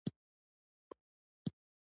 موږ په اصولو کې زموږ د هند امپراطوري محکوموو.